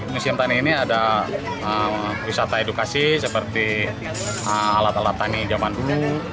museum tani ini ada wisata edukasi seperti alat alat tani zaman dulu